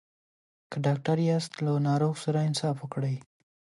که ډاکټر یاست له ناروغ سره انصاف وکړئ.